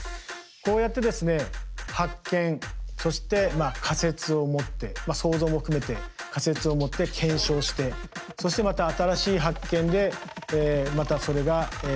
こうやってですね発見そして仮説を持って想像も含めて仮説を持って検証してそしてまた新しい発見でまたそれが謎が深まっていく。